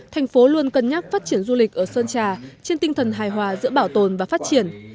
thành phố luôn cân nhắc phát triển du lịch ở sơn trà trên tinh thần hài hòa giữa bảo tồn và phát triển